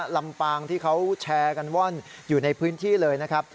ลำปางที่เขาแชร์กันว่อนอยู่ในพื้นที่เลยนะครับ